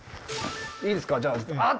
いいですかじゃああっつ！